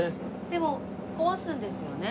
でも壊すんですよね？